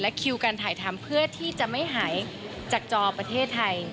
คิวการถ่ายทำเพื่อที่จะไม่หายจากจอประเทศไทย